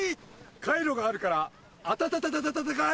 カイロがあるからあたたたかい！